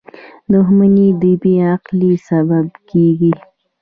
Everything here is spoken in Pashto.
• دښمني د بې عقلی سبب کېږي.